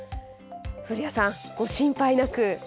古谷さん、ご心配なく！